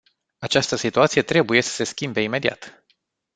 Această situație trebuie să se schimbe imediat.